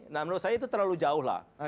nah menurut saya itu terlalu jauh lah